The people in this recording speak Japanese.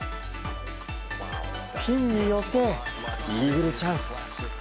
ピンに寄せ、イーグルチャンス。